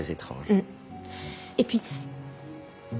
うん。